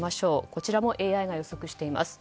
こちらもＡＩが予測しています。